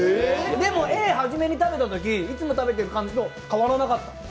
でも、Ａ初めに食べたとき、いつも食べてる感じと変わらなかった。